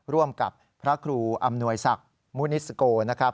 ร่วมกับพระครูอำนวยศักดิ์มุนิสโกนะครับ